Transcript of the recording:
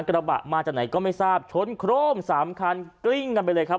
กระบะมาจากไหนก็ไม่ทราบชนโครมสามคันกลิ้งกันไปเลยครับ